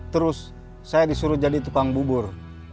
terus saya disuruh jadi tukang bubur